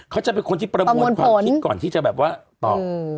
เขาจะเป็นคนที่ประมวลความคิดก่อนที่จะแบบว่าตอบ